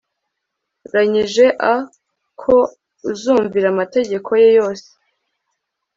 ranyije a ko uzumvira amategeko ye yose